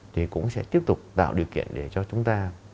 thì cũng sẽ tiếp tục tạo điều kiện để cho chúng ta